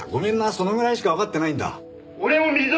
そのぐらいしかわかってないんだ。